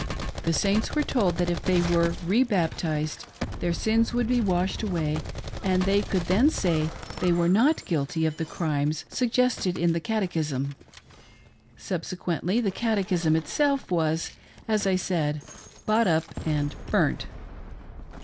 The Saints were tolcf that if they were re baptized their sins would be washed away and they could then say they were not guilty of the crimes suggested in the catechism. Subsequently the catechism itself was, as I said, bought up and burnt.